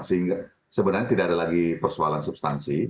sehingga sebenarnya tidak ada lagi persoalan substansi